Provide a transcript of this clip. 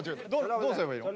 どうすればいいの？